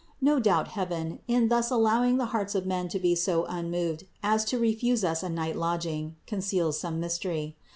No doubt heaven, in thus allowing the hearts of men to be so unmoved as to refuse us a night lodging, conceals some mystery.